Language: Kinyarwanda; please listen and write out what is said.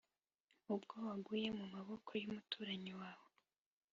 ubwo waguye mu maboko y’umuturanyi wawe,